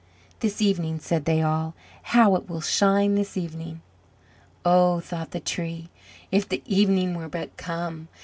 "This evening!" said they all; "how it will shine this evening!" "Oh," thought the Tree, "if the evening were but come!